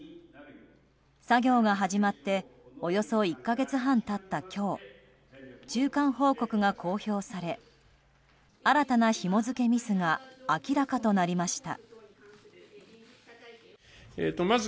作業が始まっておよそ１か月半経った今日中間報告が公表され新たなひも付けミスが明らかとなりました。